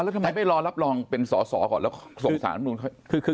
ใครไปรอรับรองเป็นสอสอก่อนแล้วส่งศาสตร์น้ำหนู